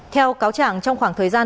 theo cáo trạng trong khoảng thời gian